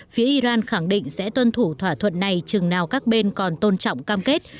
phía iran khẳng định sẽ tuân thủ thỏa thuận này chừng nào các bên còn tôn trọng cam kết